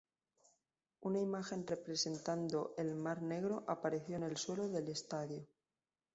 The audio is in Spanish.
Una imagen representando el mar negro apareció en el suelo del estadio.